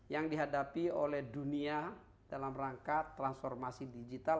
yang dihadapi oleh dunia dalam rangka transformasi digital